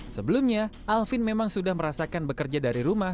sebelumnya alvin memang sudah merasakan bekerja dari rumah